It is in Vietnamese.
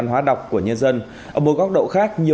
nhất sự và bài bản